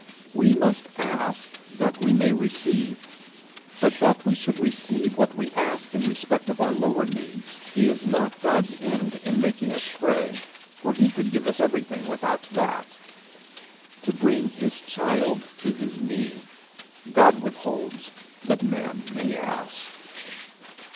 We must ask that we may receive; but that we should receive what we ask in respect of our lower needs, is not God's end in making us pray, for he could give us everything without that: to bring his child to his knee, God withholds that man may ask.